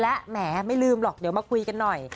และแหมไม่ลืมหรอกเดี๋ยวมาคุยกันหน่อย